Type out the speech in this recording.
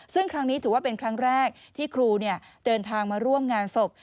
ซึ่งครั้งนี้ถือว่าเป็นครั้งแรกที่ครูเดินทางมาร่วมงานศพ